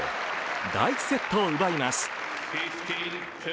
第１セットを奪います。